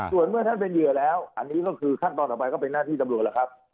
ส่วนเมื่อท่านเป็นเหยื่อแล้วอันนี้ก็คือขั้นตอนต่อไปก็เป็นหน้าที่ตำรวจแล้วครับ